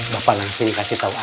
bakalan saya kasih tau aja